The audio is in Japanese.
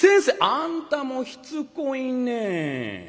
「あんたもひつこいねえ。